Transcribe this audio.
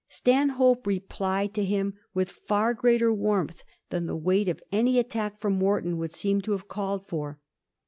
Stanhope replied to him with far greater warmth than the weight of any attack fi om Wharton would seem to have called for.